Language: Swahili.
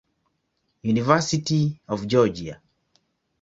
University of Georgia.